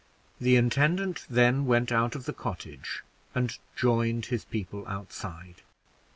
The intendant then went out of the cottage, and joined his people outside.